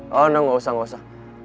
gak usah gak usah